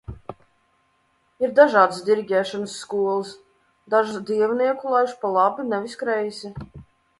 Ir dažādas diriģēšanas skolas. Dažas dievnieku laiž pa labi, nevis kreisi.